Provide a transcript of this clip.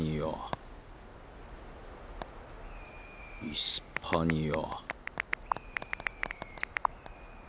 イスパニア。